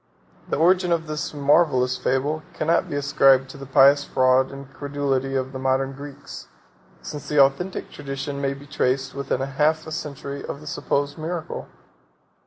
The origin of this marvellous fable cannot be ascribed to the pious fraud and credulity of the modern Greeks, since the authentic tradition may be traced within half a century of the supposed miracle.